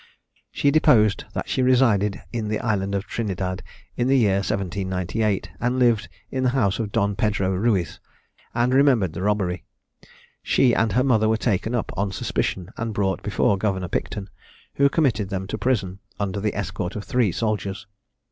She deposed that she resided in the island of Trinidad in the year 1798; and lived in the house of Don Pedro Ruiz, and remembered the robbery. She and her mother were taken up on suspicion, and brought before Governor Picton, who committed them to prison, under the escort of three soldiers.